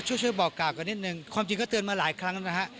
ช่วยบอกกล่าวกันนิดนึงความจริงก็เตือนมาหลายครั้งแล้วนะฮะ